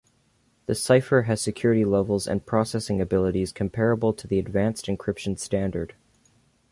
The cipher has security levels and processing abilities comparable to the Advanced Encryption Standard.